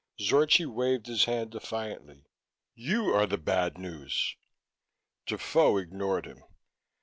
Zorchi waved his hand defiantly. "You are the bad news." Defoe ignored him.